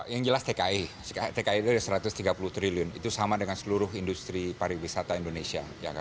yang jelas tki tki itu ada satu ratus tiga puluh triliun itu sama dengan seluruh industri pariwisata indonesia